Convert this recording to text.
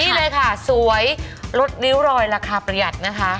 นี่เลยค่ะสวยลดริ้วรอยราคาประหยัดนะคะ